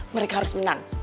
mereka harus menang